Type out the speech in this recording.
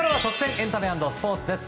エンタメ＆スポーツです。